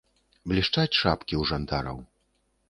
Блішчаць шапкі ў жандараў.